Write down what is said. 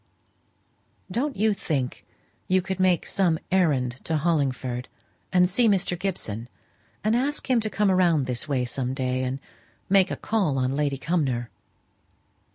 "Don't you think you could make some errand to Hollingford, and see Mr. Gibson, and ask him to come round this way some day, and make a call on Lady Cumnor?"